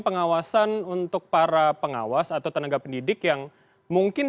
pengawasan untuk para pengawas atau tenaga pendidik yang mungkin